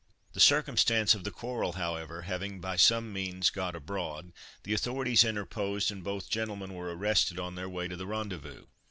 The circumstance of the quarrel, however, having by some means got abroad, the authorities interposed and both gentlemen were arrested on their way to the rendezvous.